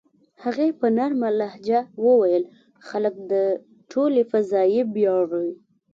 هغې په نرمه لهجه وویل: "خلک د ټولې فضايي بېړۍ.